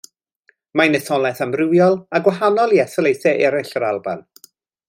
Mae'n etholaeth amrywiol a gwahanol i etholaethau eraill yr Alban.